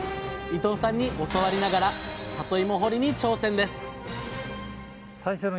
伊藤さんに教わりながらさといも掘りに挑戦です！